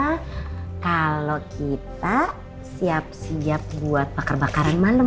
karena kalau kita siap siap buat bakar bakaran malam